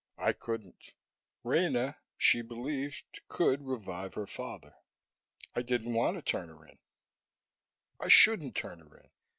I couldn't. Rena she believed could revive her father. I didn't want to turn her in. I shouldn't turn her in.